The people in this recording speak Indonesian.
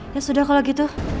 ya sudah kalau gitu